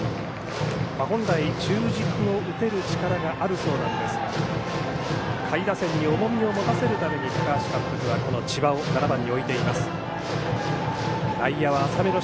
本来、中軸を打てる力があるそうなんですが下位打線に重みを持たせるために高橋監督は千葉を７番に置いています。